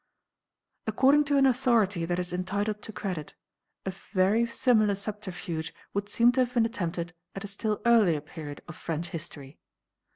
According to an authority that is entitled to credit, a very similar subterfuge would seem to have been attempted at a still earlier period of French history.